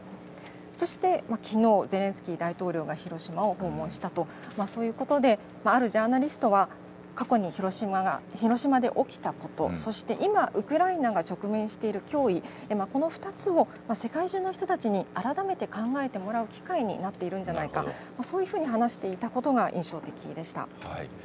そしてきのう、ゼレンスキー大統領が広島を訪問したと、そういうことで、あるジャーナリストは、過去に広島で起きたこと、そして今、ウクライナが直面している脅威、この２つを世界中の人たちに改めて考えてもらう機会になっているんじゃないか、そういうふうに話していたことが印象的でした。